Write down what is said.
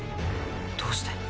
どうして。